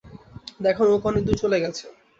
দেখো, নৌকা অনেক দূরে চলে গেছে।